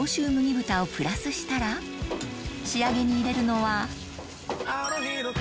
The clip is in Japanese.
豚をプラスしたら仕上げに入れるのは？